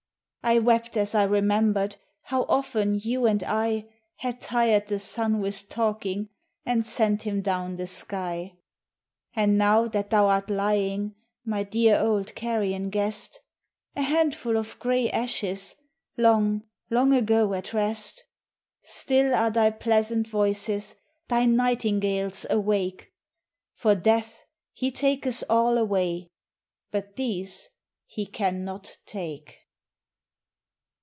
I wept as I remembered, how often you and I Had tired the sun with talking and sent him down the sky. And now that thou art lying, my dear old Carian guest, A handful of gray ashes, long, long ago at rest. Digitized by Google FHIEX Dull 1 l> 31)7 Still are thy pleasant voices, thy nightingales, awake. For Death he taketh all away, but these he cannot take.